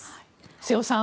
瀬尾さん